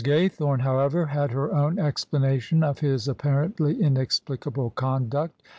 Gaythome, however, had her own explanation of his apparently inexplicable conduct.